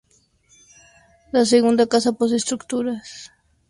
La segunda casa posee estructuras defensivas, como aspilleras en la frontera.